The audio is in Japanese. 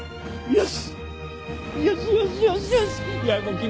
よし！